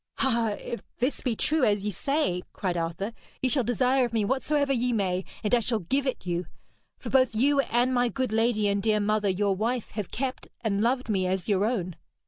'Ah, if this be true as ye say,' cried Arthur, 'ye shall desire of me whatsoever ye may, and I shall give it you. For both you and my good lady and dear mother your wife have kept and loved me as your own.'